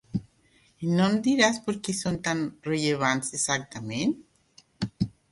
I no em diràs per què són tan rellevants, exactament?